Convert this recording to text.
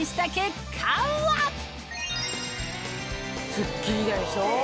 スッキリでしょ？